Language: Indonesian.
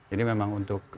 ini memang untuk